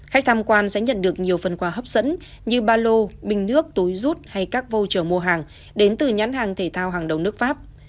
khách tham quan sẽ nhận được nhiều phần quà hấp dẫn như ba lô bình nước túi rút hay các voucher mua hàng đến từ nhãn hàng thể thao hàng đầu nước pháp